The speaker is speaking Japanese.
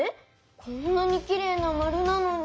こんなにきれいなまるなのに？